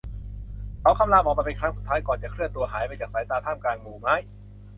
เขาคำรามออกมาเป็นครั้งสุดท้ายก่อนจะเคลื่อนตัวหายไปจากสายตาท่ามกลางหมู่ไม้